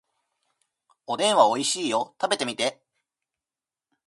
おでんはおいしいよ。食べてみて。